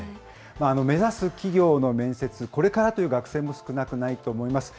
目指す企業の面接、これからという学生も少なくないと思います。